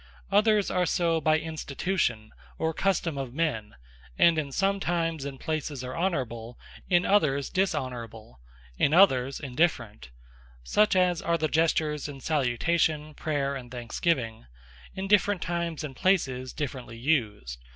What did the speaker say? Others are so by Institution, or Custome of men; and in some times and places are Honourable; in others Dishonourable; in others Indifferent: such as are the Gestures in Salutation, Prayer, and Thanksgiving, in different times and places, differently used.